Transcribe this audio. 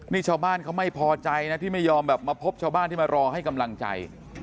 นี่ชาวบ้านเขาไม่พอใจนะที่ไม่ยอมแบบมาพบชาวบ้านที่มารอให้กำลังใจ